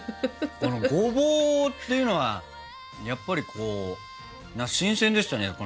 このごぼうっていうのはやっぱりこう新鮮でしたね